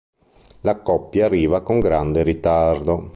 La coppia arriva con grande ritardo.